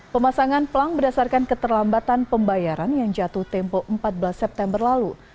pemasangan pelang berdasarkan keterlambatan pembayaran yang jatuh tempo empat belas september lalu